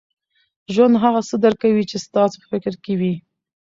ژوند هغه څه درکوي، چي ستاسو په فکر کي وي.